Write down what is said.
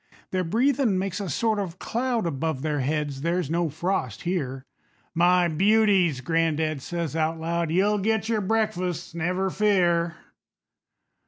Their breathin' makes a sort of cloud Above their heads there's no frost here. "My beauties," gran'dad says out loud, "You'll get your breakfasts, never fear."